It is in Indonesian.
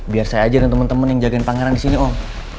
biar saya ajarin temen temen yang jagain pangeran disini om